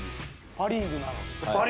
パ・リーグなのに。